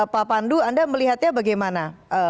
pak pandu anda melihatnya bagaimana